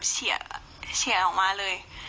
เฉียออกมาเลย